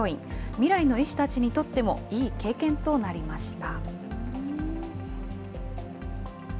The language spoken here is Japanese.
未来の医師たちにとっても、いい経験となりました。